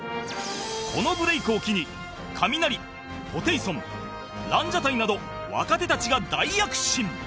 このブレイクを機にカミナリホテイソンランジャタイなど若手たちが大躍進